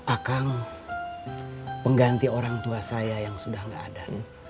akang pengganti orang tua saya yang sudah gak ada